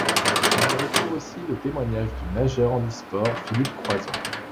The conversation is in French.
On y retrouve aussi le témoignage du nageur handisport Philippe Croizon.